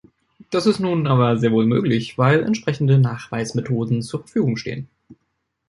Das ist nun aber sehr wohl möglich, weil entsprechende Nachweismethoden zur Verfügung stehen.